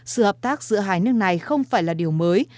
sự hợp tác giữa hai nước này không phải là điều mới